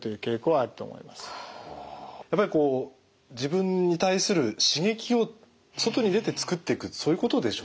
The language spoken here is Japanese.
やっぱりこう自分に対する刺激を外に出てつくっていくそういうことでしょうか？